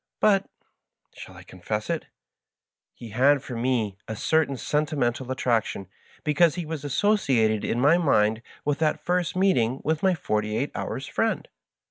But — ehall I confess it ?— ^he had for me a certain sentimental attraction, because he was associated in my mind with that first meeting with my forty eight honrs' friend.